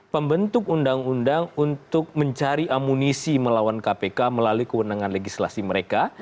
pembentuk undang undang untuk mencari amunisi melawan kpk melalui kewenangan legislasi mereka